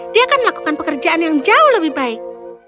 dia akan melakukan pekerjaan yang jauh lebih baik